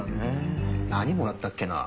何もらったっけな？